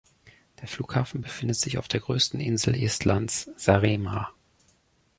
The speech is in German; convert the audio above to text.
Der Flughafen befindet sich auf der größten Insel Estlands, Saaremaa.